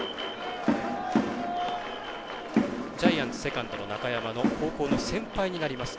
ジャイアンツ、セカンドの中山の高校の先輩になります